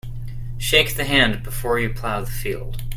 Shake the hand before you plough the field.